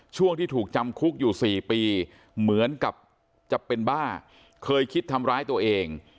ช่วงที่ถูกจำคุกอยู่๔ปีเหมือนกับจะเป็นบ้าเคยคิดทำร้ายตัวเอง